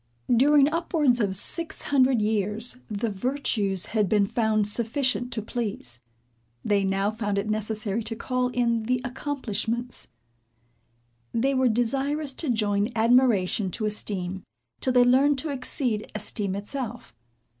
During upwards of six hundred years, the virtues had been found sufficient to please. They now found it necessary to call in the accomplishments. They were desirous to join admiration to esteem, 'till they learned to exceed esteem itself.